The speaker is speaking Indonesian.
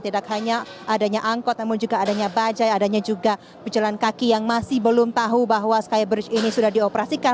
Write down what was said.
tidak hanya adanya angkot namun juga adanya bajai adanya juga pejalan kaki yang masih belum tahu bahwa skybridge ini sudah dioperasikan